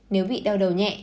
nếu bị đau đầu nhẹ